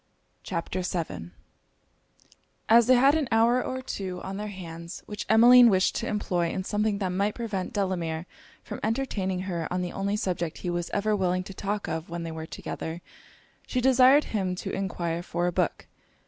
CHAPTER VII As they had an hour or two on their hands, which Emmeline wished to employ in something that might prevent Delamere from entertaining her on the only subject he was ever willing to talk of when they were together, she desired him to enquire for a book.